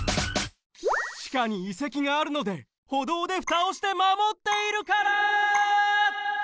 地下に遺跡があるので歩道でふたをしてまもっているから！